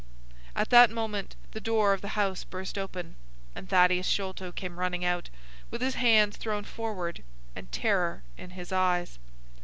At that moment the door of the house burst open, and Thaddeus Sholto came running out, with his hands thrown forward and terror in his eyes.